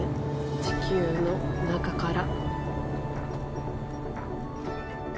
地球の中から。